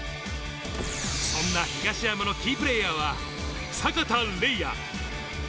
そんな東山のキープレーヤーは阪田澪哉。